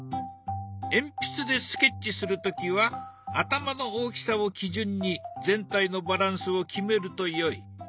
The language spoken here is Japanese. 鉛筆でスケッチする時は頭の大きさを基準に全体のバランスを決めるとよい。